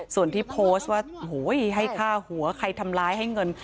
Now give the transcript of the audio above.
ส่วนที่โพสต์ว่าให้ฆ่าหัวใครทำร้ายให้เงิน